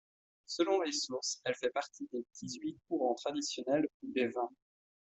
Selon les sources, elle fait partie des dix-huit courants traditionnels ou des vingt.